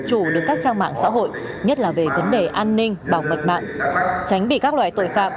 chủ được các trang mạng xã hội nhất là về vấn đề an ninh bảo mật mạng tránh bị các loại tội phạm